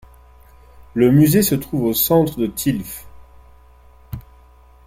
Le musée se trouve au centre de Tilff.